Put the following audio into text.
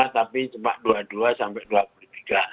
tapi cuma dua puluh dua sampai dua puluh tiga